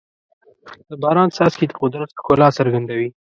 د باران څاڅکي د قدرت ښکلا څرګندوي.